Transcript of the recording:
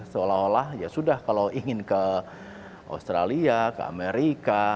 seolah olah ya sudah kalau ingin ke australia ke amerika